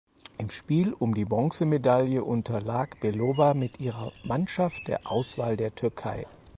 Im Spiel um die Bronzemedaille unterlag Belowa mit ihrer Mannschaft der Auswahl der Türkei.